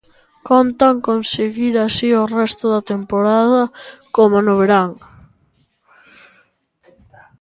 Contan con seguir así o resto da temporada, coma no verán.